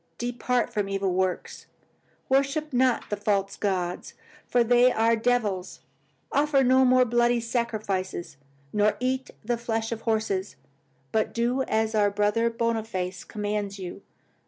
Depart from evil works. Worship not the false gods, for they are devils. Offer no more bloody sacrifices, nor eat the flesh of horses, but do as our Brother Boniface commands you.